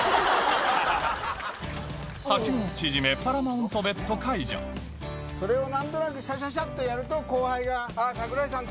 はしごを縮めパラマウントベッド解除それを何となくシャシャシャっとやると後輩が。